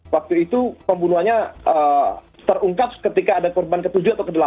waktu itu pembunuhannya terungkap ketika ada korban ke tujuh atau ke delapan